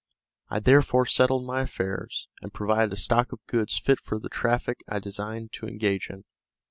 I therefore settled my affairs, and provided a stock of goods fit for the traffic I designed to engage in.